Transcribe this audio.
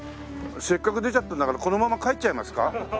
せっかく出ちゃったんだからこのまま帰っちゃいますか？